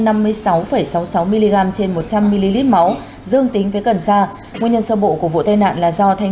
hai trăm năm mươi sáu sáu mươi sáu mg trên một trăm linh ml máu dương tính với cẩn xa nguyên nhân sơ bộ của vụ tai nạn là do thanh